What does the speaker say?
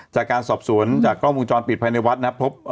จากการสอบสวนจากกล้องวงจรปิดภายในวัดนะครับพบ